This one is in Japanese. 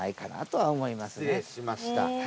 失礼しました。